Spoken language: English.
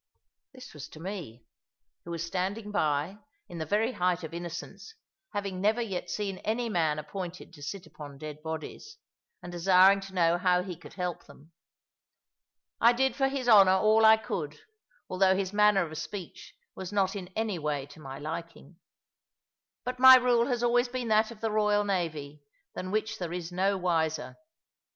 This was to me, who was standing by, in the very height of innocence, having never yet seen any man appointed to sit upon dead bodies, and desiring to know how he could help them. I did for his Honour all I could, although his manner of speech was not in any way to my liking. But my rule has always been that of the royal navy, than which there is no wiser.